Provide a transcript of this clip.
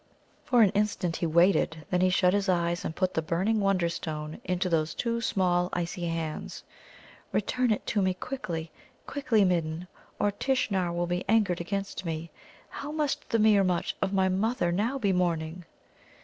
For an instant he waited, then he shut his eyes and put the burning Wonderstone into those two small icy hands. "Return it to me quickly quickly, Midden, or Tishnar will be angered against me. How must the Meermut of my mother now be mourning!"